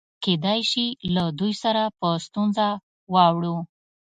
کېدای شي له دوی سره په ستونزه واوړو.